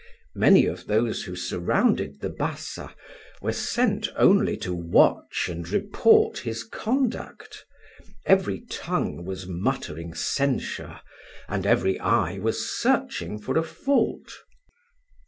Many of those who surrounded the Bassa were sent only to watch and report his conduct: every tongue was muttering censure, and every eye was searching for a fault.